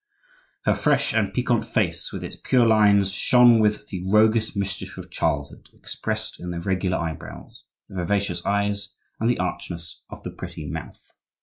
Her fresh and piquant face, with its pure lines, shone with the roguish mischief of childhood, expressed in the regular eyebrows, the vivacious eyes, and the archness of the pretty mouth.